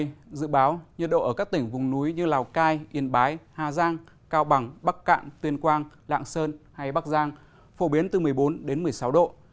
trong ngày dự báo nhiệt độ ở các tỉnh vùng núi như lào cai yên bái hà giang cao bằng bắc cạn tuyên quang lạng sơn hay bắc giang phổ biến từ một mươi bốn đến một mươi sáu độ